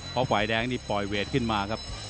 เพราะฝ่ายแดงนี่ปล่อยเวทขึ้นมาครับ